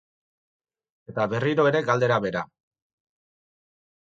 Eta berriro ere galdera bera.